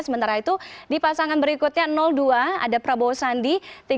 sementara itu di pasangan berikutnya dua ada prabowo sandi